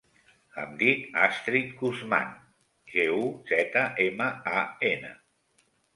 Em dic Astrid Guzman: ge, u, zeta, ema, a, ena.